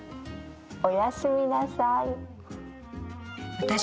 おやすみなさい。